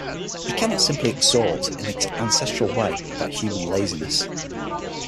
He cannot simply exhort, in the ancestral way, about human laziness.